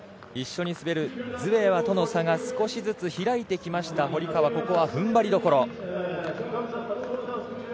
一緒に滑るズエワとの差が少しずつ開いてきました堀川、ここは踏ん張りどころ。